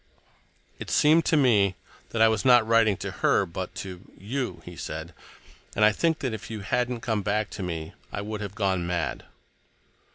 "It seemed to me that I was not writing it to her, but to you" he said. "And I think that if you hadn't come back to me I would have gone mad."